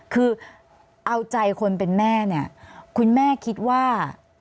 คือเอาใจคนเป็นแม่เนี่ยคุณแม่คิดว่า